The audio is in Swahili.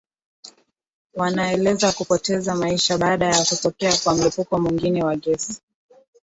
wanaeleza kupoteza maisha baada ya kutokea kwa mlipuko mwingine wa gesi